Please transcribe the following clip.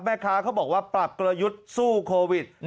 เขาบอกว่าปรับกลยุทธ์สู้โควิด